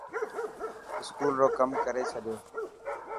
اسڪول رو ڪم ڪري ڇڏيو.